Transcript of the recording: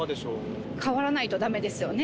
変わらないとだめですよね。